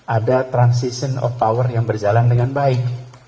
ada transition of power yang berjalan dengan baik